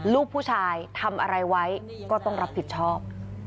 ลูกผู้ชายทำอะไรไว้ก็ต้องรับผิดชอบ